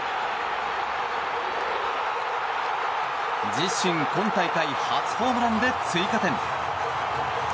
自身今大会初ホームランで追加点。